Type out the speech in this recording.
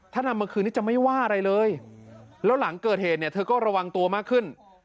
ถ้านำมาคืนนี้จะไม่ว่าอะไรเลยแล้วหลังเกิดเหตุเนี่ยเธอก็ระวังตัวมากขึ้น